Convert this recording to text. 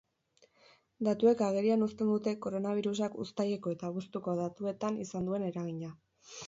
Datuek agerian uzten dute koronabirusak uztaileko eta abuztuko datuetan izan duen eragina.